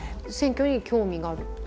選挙に興味がある。